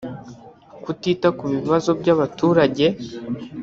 kutita ku bibazo by’abaturage